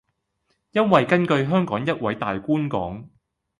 因為根據香港一位大官講